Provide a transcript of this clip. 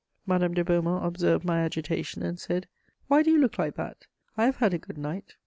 Madame de Beaumont observed my agitation, and said: "Why do you look like that? I have had a good night."